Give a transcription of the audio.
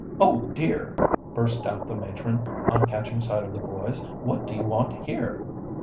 "Oh, dear!" burst out the matron, on catching sight of the boys. "What do you want here?"